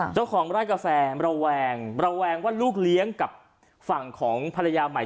เจ้าของไร่กาแฟระแวงระแวงว่าลูกเลี้ยงกับฝั่งของภรรยาใหม่